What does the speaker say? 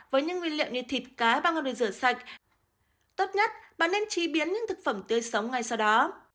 với những nguyên liệu như thịt cá băng hoặc đồ rửa sạch tốt nhất bạn nên trí biến những thực phẩm tươi sống ngay sau đó